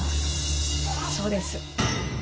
そうです。